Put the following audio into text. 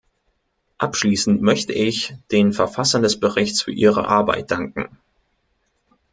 Abschließend möchte ich den Verfassern des Berichts für ihre Arbeit danken.